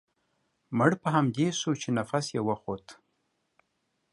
مړ په همدې سو چې نفس يې و خوت.